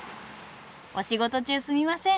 お仕事中すみません。